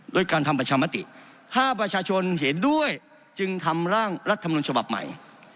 ด้วยการทำประชามติถ้าประชาชนเห็นด้วยจึงทำร่างรัฐมนุนฉบับใหม่